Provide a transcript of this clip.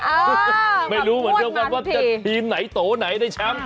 เออพูดมานังทุกทีมาพูดมานังทุกทีไม่รู้ว่าเป็นทีมไหนโตไหนไหนแชมป์